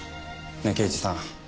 ねえ刑事さん。